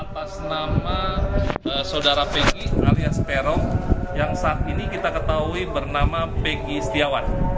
pernama saudara peggy alias perong yang saat ini kita ketahui bernama peggy setiawan